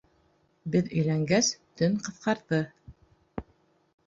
Беҙ өйләнгәс, төн ҡыҫҡарҙы.